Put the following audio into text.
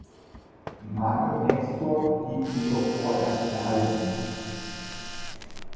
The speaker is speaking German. Die Marke Maxtor blieb jedoch vorerst erhalten.